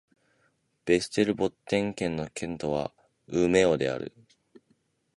ヴェステルボッテン県の県都はウメオである